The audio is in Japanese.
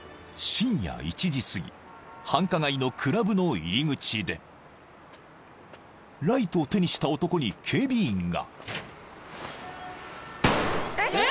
［深夜１時すぎ繁華街のクラブの入り口でライトを手にした男に警備員が］